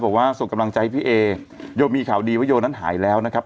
บอกว่าส่งกำลังใจให้พี่เอโยมีข่าวดีว่าโยนั้นหายแล้วนะครับ